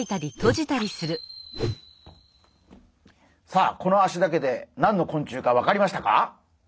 さあこの脚だけで何の昆虫かわかりましたか？